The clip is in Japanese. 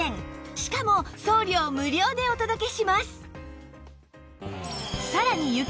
しかも送料無料でお届けします